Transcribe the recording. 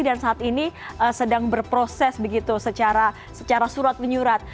dan saat ini sedang berproses begitu secara surat menyurat